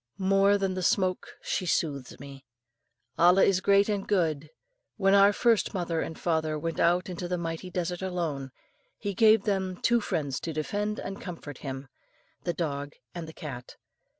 More than the smoke she soothes me. Allah is great and good; when our first mother and father went out into the mighty desert alone, He gave them two friends to defend and comfort them the dog and the cat.